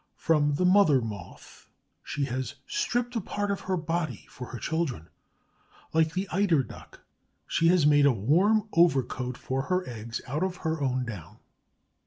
From the mother Moth; she has stripped a part of her body for her children. Like the Eider duck, she has made a warm overcoat for her eggs out of her own down.